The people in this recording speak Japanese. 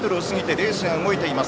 レースが動いています。